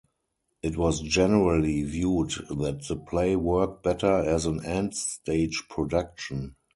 It was generally viewed that the play worked better as an end-stage production.